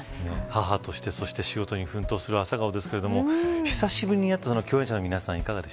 母としてそして仕事に奮闘する朝顔ですけど久しぶりに会った共演者の皆さん